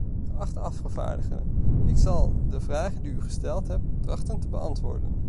Geachte afgevaardigden, ik zal de vragen die u gesteld hebt, trachten te beantwoorden.